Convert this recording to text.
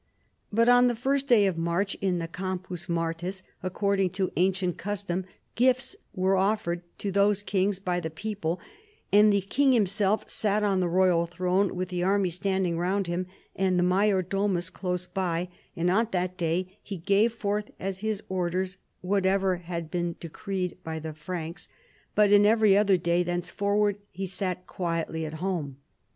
But on the [first] day of March in the Campus [Martis] according to ancient custom gifts were offered to those kings by the people, and the king himself sat on the royal throne with tlie army standing round him and the major domus close by, and on that da}'^ he gave forth as his orders whatever had been decreed by the Franks, but on every other day thenceforward he sat quietly at home.